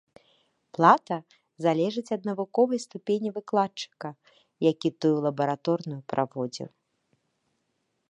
Плата залежыць ад навуковай ступені выкладчыка, які тую лабараторную праводзіў.